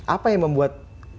apa yang membuat